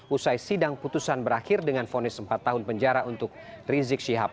usai sidang putusan berakhir dengan fonis empat tahun penjara untuk rizik syihab